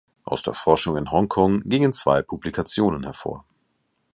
Aus der Forschung in Hongkong gingen zwei Publikationen hervor.